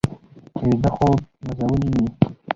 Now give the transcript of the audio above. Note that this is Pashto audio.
ویده خوب نازولي وي